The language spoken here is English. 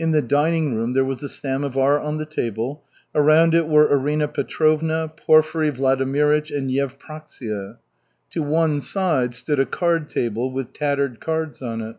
In the dining room there was a samovar on the table. Around it were Arina Petrovna, Porfiry Vladimirych, and Yevpraksia. To one side stood a card table with tattered cards on it.